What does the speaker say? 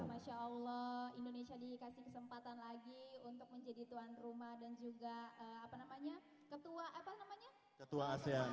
kesempatan lagi untuk menjadi tuan rumah dan juga apa namanya ketua apa namanya ketua asean